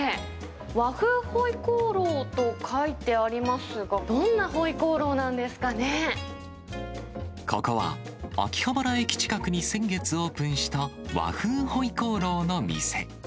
和風ホイコーローと書いてありますが、どんなホイコーローなんでここは、秋葉原駅近くに先月オープンした和風ホイコーローの店。